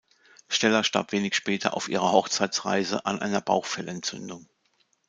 Stella starb wenig später auf ihrer Hochzeitsreise an einer Bauchfellentzündung.